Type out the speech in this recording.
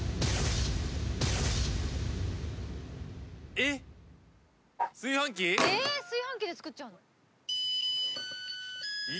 え炊飯器で作っちゃうの？